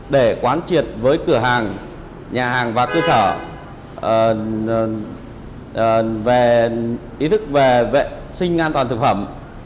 để quán triệt với cửa hàng nhà hàng và cơ sở về ý thức về vệ sinh an toàn thực phẩm